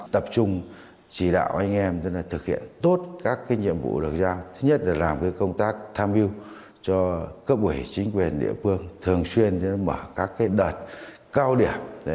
tập trung chỉ đạo anh em thực hiện tốt các nhiệm vụ được giao thứ nhất là làm công tác tham mưu cho cấp ủy chính quyền địa phương thường xuyên mở các đợt cao điểm